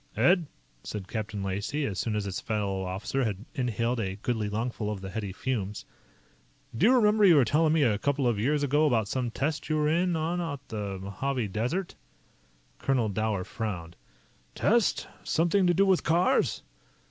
"Ed," said Captain Lacey as soon as his fellow officer had inhaled a goodly lungful of the heady fumes, "do you remember you were telling me a couple of years ago about some test you were in on out in the Mojave Desert?" Colonel Dower frowned. "Test? Something to do with cars?"